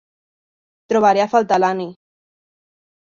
Trobaré a faltar l'Annie.